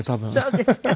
そうですか。